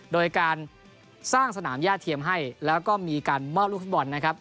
โดยการสร้างสนามย่าเทียมให้แล้วก็มีการมอบลูกฟุตบอลนะครับ